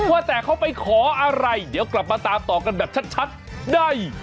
ว่าแต่เขาไปขออะไรเดี๋ยวกลับมาตามต่อกันแบบชัดได้